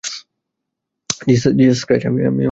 Jesus Christ আমি দুঃখিত ভাই।